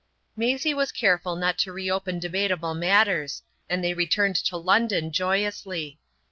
Maisie was careful not to reopen debatable matters, and they returned to London joyously.